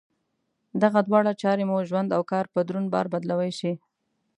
دغه دواړه چارې مو ژوند او کار په دروند بار بدلولای شي.